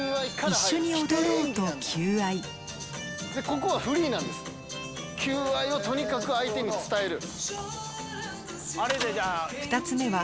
ここはフリーなんです求愛をとにかく相手に伝える。